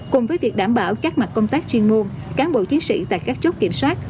cùng với việc đảm bảo các mặt công tác chuyên môn cán bộ chiến sĩ tại các chốt kiểm soát